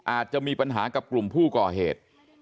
อาจจะมีปัญหากับกลุ่มผู้ก่อเหตุ